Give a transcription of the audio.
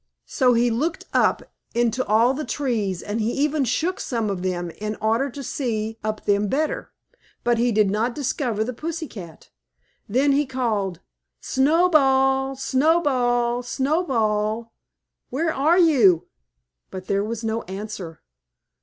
So he looked up into all the trees, and he even shook some of them in order to see up them better, but he did not discover the pussy cat. Then he called: "Snowball! Snowball! Snowball! Where are you?" But there was no answer.